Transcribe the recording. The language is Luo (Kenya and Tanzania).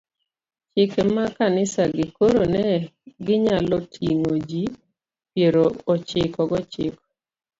chike mag kanisagi, koro ne ginyalo ting'o ji piero ochiko gochiko